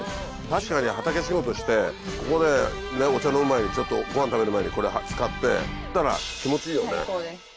確かに畑仕事してここでお茶飲む前にちょっとごはん食べる前にこれ漬かってそしたら気持ちいいよね。